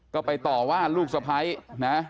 ก็ไปต่อว่าลูกสะพ้ายนะ